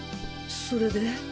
それで？